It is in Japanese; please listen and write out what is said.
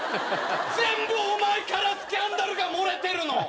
全部お前からスキャンダルが漏れてるの！